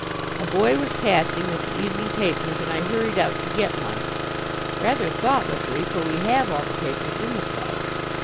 A boy was passing with the evening papers, and I hurried out to get one, rather thoughtlessly, for we have all the papers in the club.